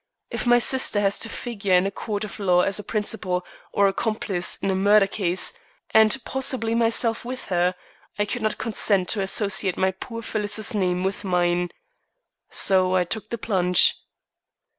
If my sister has to figure in a court of law as a principal, or accomplice, in a murder case and possibly myself with her I could not consent to associate my poor Phyllis's name with mine. So I took the plunge."